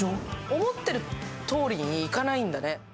思ってるとおりにいかないんだね。